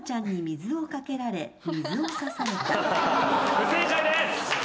不正解です！